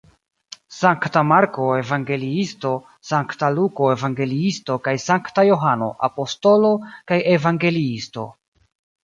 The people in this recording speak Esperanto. Sankta Marko evangeliisto, Sankta Luko evangeliisto kaj Sankta Johano apostolo kaj evangeliisto.